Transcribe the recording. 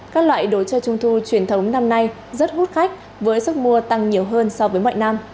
các loại đồ chơi trung thu truyền thống năm nay rất hút khách với sức mua tăng nhiều hơn so với mọi năm